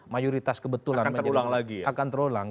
mayoritas kebetulan akan terulang